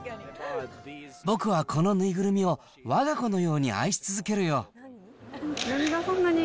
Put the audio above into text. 僕はこの縫いぐるみをわが子のように愛し続けるよ。